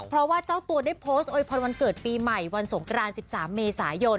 เพราะว่าเจ้าตัวได้โพสต์โวยพรวันเกิดปีใหม่วันสงกราน๑๓เมษายน